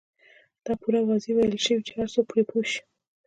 دا پوره واضح ويل شوي چې هر څوک پرې پوه شي.